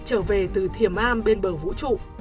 trở về từ thiền am bên bờ vũ trụ